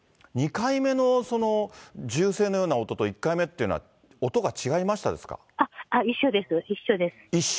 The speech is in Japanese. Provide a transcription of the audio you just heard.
２回目の銃声のような音と１回目っていうのは、音が違いまし一緒です、一緒？